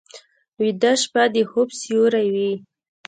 ویده شپه د خوب سیوری وي